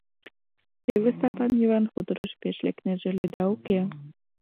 Теве Стапан Йыван хуторыш пеш лекнеже ыле да уке...